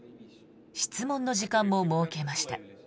質問の時間も設けました。